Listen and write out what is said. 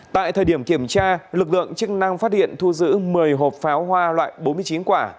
tại thời điểm kiểm tra lực lượng chức năng phát hiện thu giữ một mươi hộp pháo hoa loại bốn mươi chín quả